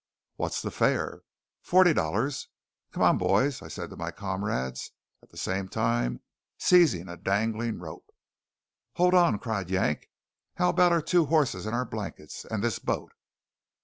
"What's the fare?" "Forty dollars." "Come on, boys," said I to my comrades, at the same time seizing a dangling rope. "Hold on!" cried Yank. "How about our two horses and our blankets, and this boat?"